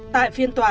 tại phiên tòa